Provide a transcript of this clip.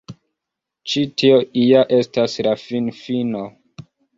Ĉi tio ja estas la finfino.